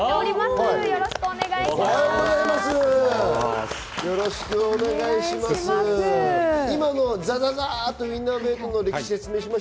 よろしくお願いします。